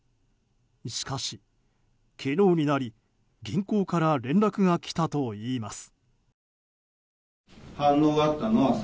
しかし、昨日になり銀行から連絡がきたといいます。